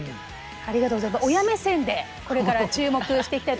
ありがとうございます。